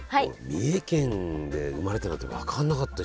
三重県で生まれたなんて分かんなかった。